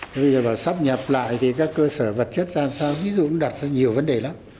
thế bây giờ mà sắp nhập lại thì các cơ sở vật chất làm sao ví dụ đặt ra nhiều vấn đề lắm